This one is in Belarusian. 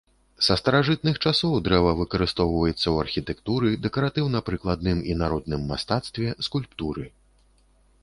Са старажытных часоў дрэва выкарыстоўваецца ў архітэктуры, дэкаратыўна-прыкладным і народным мастацтве, скульптуры.